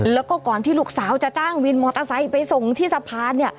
แล้วก็ก่อนที่ลูกสาวจะจ้างวินมอเตอร์ไซค์ไปส่งที่สะพาน